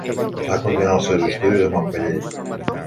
Va continuar els seus estudis a Montpeller.